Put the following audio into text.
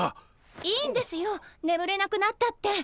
いいんですよ眠れなくなったって。